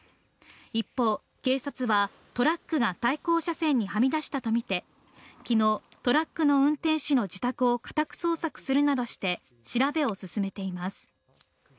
一方、警察はトラックが対向車線にはみ出したとみて、昨日トラックの運転手の自宅を家宅捜索するなどして調べを進めています。